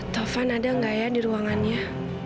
taufan ada nggak ya di ruangannya